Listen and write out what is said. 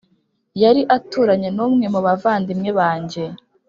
yari aturanye n'umwe mu bavandimwe banjye.